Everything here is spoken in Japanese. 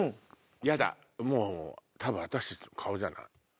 やだ多分私たちの顔じゃない？